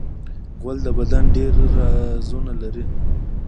غول د بدن ډېری رازونه لري.